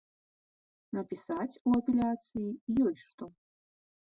Напісаць у апеляцыі ёсць што.